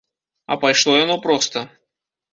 А пайшло яно проста.